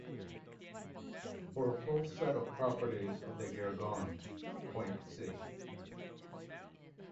For a full set of properties of the Gergonne point see.